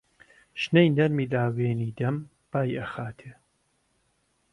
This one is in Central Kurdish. شنەی نەرمە لاوێنی دەم بای ئەخاتێ.